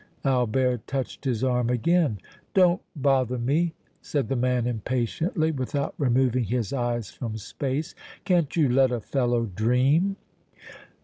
Albert touched his arm again. "Don't bother me!" said the man, impatiently, without removing his eyes from space. "Can't you let a fellow dream!"